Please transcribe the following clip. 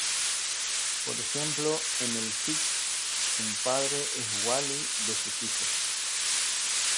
Por ejemplo en el fiqh, un padre es "wali" de sus hijos.